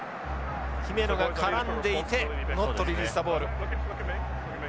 姫野が絡んでいてノットリリースザボール。